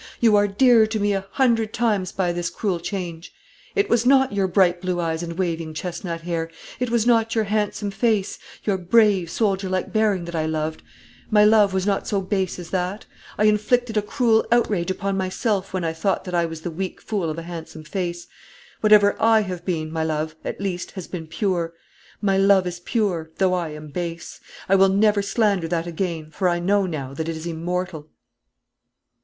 you are dearer to me a hundred times by this cruel change. It was not your bright blue eyes and waving chestnut hair, it was not your handsome face, your brave, soldier like bearing that I loved. My love was not so base as that. I inflicted a cruel outrage upon myself when I thought that I was the weak fool of a handsome face. Whatever I have been, my love, at least, has been pure. My love is pure, though I am base. I will never slander that again, for I know now that it is immortal."